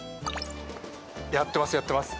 やってます、やってます